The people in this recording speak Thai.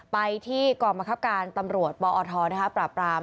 ไปที่กรรมคับการตำรวจบอธปราบราม